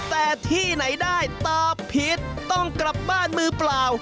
แต่ที่ไหนได้ตอบผิดต้องกลับบ้านมือเปล่า